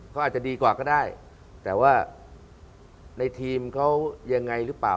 เขาอาจจะดีกว่าก็ได้แต่ว่าในทีมเขายังไงหรือเปล่า